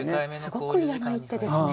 すごく嫌な一手ですね。